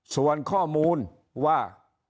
ส่วนข้อมูลว่า